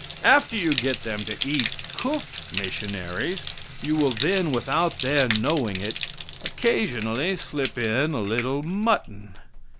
After you get them to eat cooked missionaries, you will then, without their knowing it, occasionally slip in a little mutton.